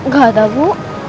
gak ada bu